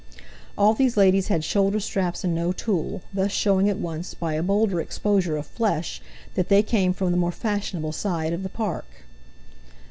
All these ladies had shoulder straps and no tulle—thus showing at once, by a bolder exposure of flesh, that they came from the more fashionable side of the Park.